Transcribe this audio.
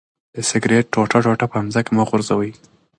د سګرټ ټوټه په ځمکه مه غورځوئ.